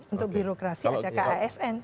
untuk birokrasi ada kasn